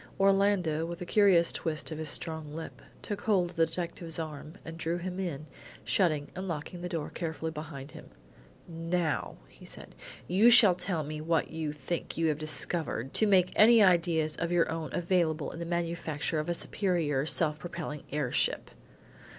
Orlando, with a curious twist of his strong lip, took hold of the detective's arm and drew him in, shutting and locking the door carefully behind him. "Now," said he, "you shall tell me what you think you have discovered, to make any ideas of your own available in the manufacture of a superior self propelling air ship."